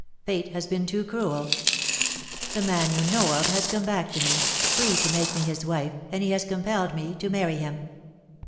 "Fate has been too cruel. The man you know of has come back to me, free to make me his wife, and he has compelled me to marry him.